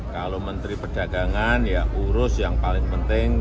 kalau menteri perdagangan ya urus yang paling penting